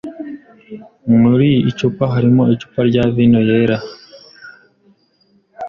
Muri icupa harimo icupa rya vino yera.